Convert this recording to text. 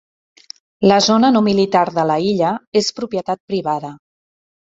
La zona no militar de la illa és propietat privada.